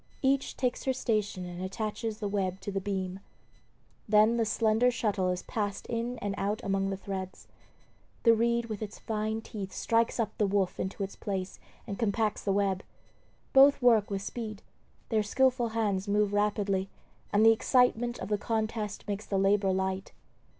Each takes her station and attaches the web to the beam. Then the slender shuttle is passed in and out among the threads. The reed with its fine teeth strikes up the woof into its place and compacts the web. Both work with speed; their skilful hands move rapidly, and the excitement of the contest makes the labor light.